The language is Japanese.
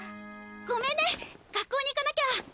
ごめんね学校に行かなきゃ！